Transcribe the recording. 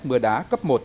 mưa đá cấp một